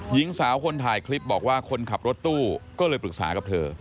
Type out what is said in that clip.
หญิงสาวคนถ่ายคลิปบอกว่าคนขับรถตู้ก็เลยปรึกษากับเธอ